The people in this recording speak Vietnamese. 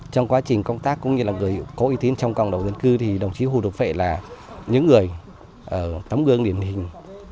trong quá trình công tác cũng như là người có uy tín trong cộng đồng dân cư thì đồng chí hồ được vệ là những người tấm gương điển hình